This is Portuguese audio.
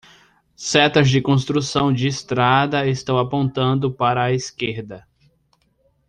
Setas de construção de estrada estão apontando para a esquerda